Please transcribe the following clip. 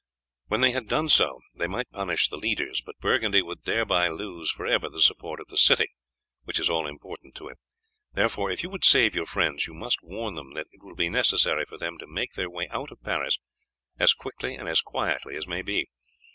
When they had done so they might punish the leaders, but Burgundy would thereby lose for ever the support of the city, which is all important to him. Therefore if you would save your friends you must warn them that it will be necessary for them to make their way out of Paris as quickly and as quietly as may be.